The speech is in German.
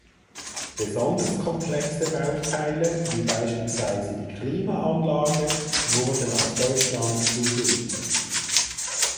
Besonders komplexe Bauteile wie beispielsweise die Klimaanlage wurden aus Deutschland zugeliefert.